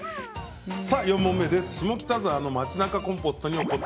４問目です。